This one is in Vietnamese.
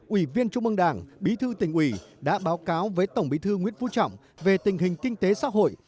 ủy viên trung ương đảng bí thư tỉnh ủy đã báo cáo với tổng bí thư nguyễn phú trọng về tình hình kinh tế xã hội